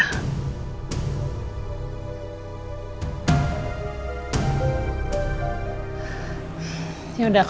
pertanyaan kepadanya apa yang akan dia lakukan